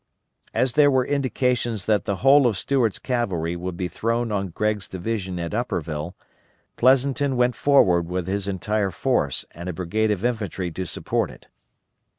As there were indications that the whole of Stuart's cavalry would be thrown on Gregg's division at Upperville, Pleasonton went forward with his entire force and a brigade of infantry to support it.